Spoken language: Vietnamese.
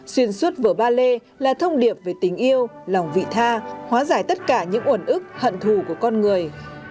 xuyên suốt vở ballet là thông điệp về tình yêu lòng vị tha hóa giải tất cả những uẩn ức hận thù của con người